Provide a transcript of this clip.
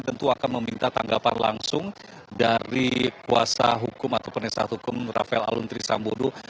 tentu akan meminta tanggapan langsung dari kuasa hukum atau penesat hukum rafael alun trisambodo